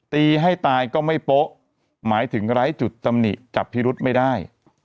ตีให้ตายก็ไม่โป๊ะหมายถึงไร้จุดตำหนิจับพิรุธไม่ได้